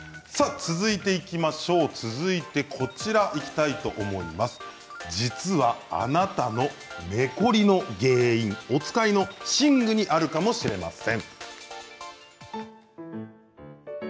続いて実はあなたの寝コリの原因お使いの寝具にあるかもしれません。